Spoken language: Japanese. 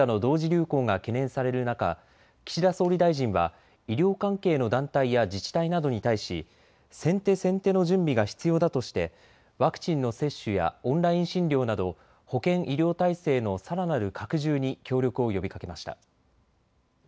流行が懸念される中、岸田総理大臣は医療関係の団体や自治体などに対し先手先手の準備が必要だとしてワクチンの接種やオンライン診療など保健医療体制のさらなる拡充に協力を呼びかけました。